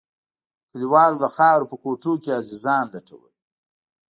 كليوالو د خاورو په کوټو کښې عزيزان لټول.